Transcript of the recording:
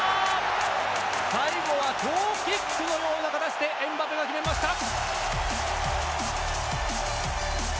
最後はトーキックのような形でエムバペが決めました！